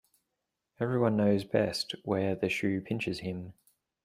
Every one knows best where the shoe pinches him.